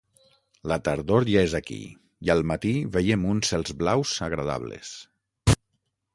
La tardor ja és aquí i al matí veiem uns cels blaus agradables.